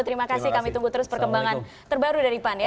terima kasih kami tunggu terus perkembangan terbaru dari pan ya